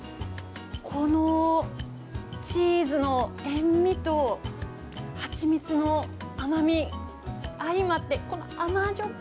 このチーズの塩味と、蜂蜜の甘み、相まってこの甘じょっ